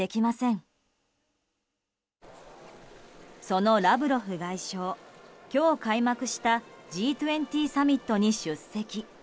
そのラブロフ外相今日、開幕したＧ２０サミットに出席。